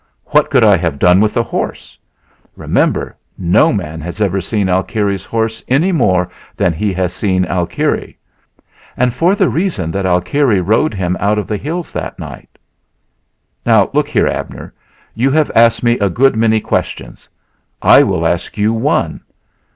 What could I have done with the horse? Remember, no man has ever seen Alkire's horse any more than he has seen Alkire and for the reason that Alkire rode him out of the hills that night. Now, look here, Abner, you have asked me a good many questions. I will ask you one.